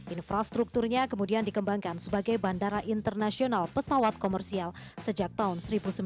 infrastrukturnya kemudian dikembangkan sebagai bandara internasional pesawat komersial sejak tahun seribu sembilan ratus sembilan puluh